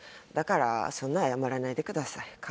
だからそんな謝らないでください。